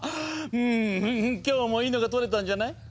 んんん今日もいいのが撮れたんじゃない？